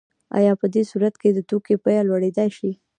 آیا په دې صورت کې د توکي بیه لوړیدای شي؟